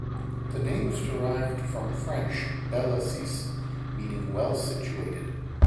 The name is derived from French "bel assis" meaning 'well situated'.